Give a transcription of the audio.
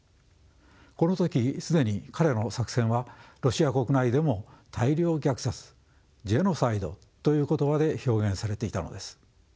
この時既に彼の作戦はロシア国内でも大量虐殺ジェノサイドという言葉で表現されていたのです。